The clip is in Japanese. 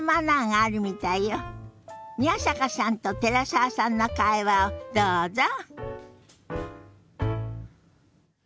宮坂さんと寺澤さんの会話をどうぞ。